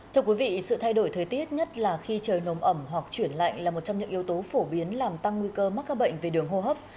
thưa quý vị sự thay đổi thời tiết nhất là khi trời nồm ẩm hoặc chuyển lạnh là một trong những yếu tố phổ biến làm tăng nguy cơ mắc các bệnh về đường hô hấp